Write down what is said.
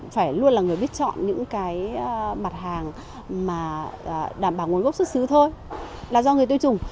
phải luôn là người biết chọn những cái mặt hàng mà đảm bảo nguồn gốc xuất xứ thôi là do người tiêu dùng